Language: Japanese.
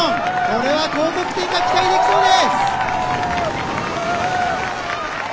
これは高得点が期待できそうです。